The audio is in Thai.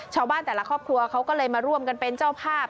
ชาวบ้านแต่ละครอบครัวเขาก็เลยมาร่วมกันเป็นเจ้าภาพ